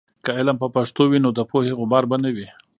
که علم په پښتو وي، نو د پوهې غبار به نه وي.